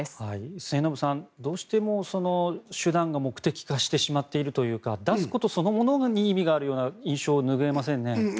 末延さんどうしても手段が目的化してしまっているというか出すことそのものに意味があるような印象が拭えませんね。